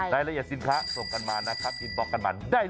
รายละเอียดสินค้าส่งมาการกินบอกกันมันได้เลย